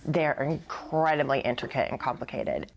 mereka sangat intrikat dan komplik